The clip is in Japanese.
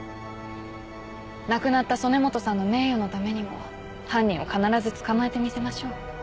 亡くなった曽根本さんの名誉のためにも犯人を必ず捕まえてみせましょう。